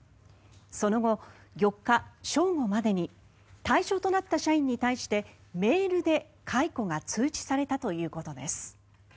その後、４日正午までに対象となった社員に対してメールで解雇が通知されたということです。